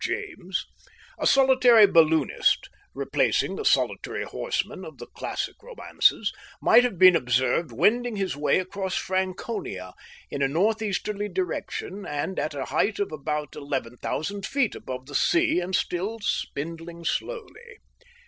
James, a solitary balloonist replacing the solitary horseman of the classic romances might have been observed wending his way across Franconia in a north easterly direction, and at a height of about eleven thousand feet above the sea and still spindling slowly.